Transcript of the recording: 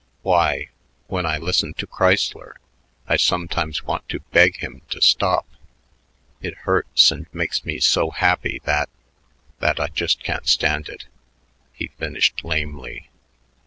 Why, when I listen to Kreisler, I sometimes want to beg him to stop; it hurts and makes me so happy that that I just can't stand it," he finished lamely.